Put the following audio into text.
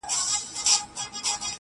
زه د ملي بیرغ په رپ ـ رپ کي اروا نڅوم.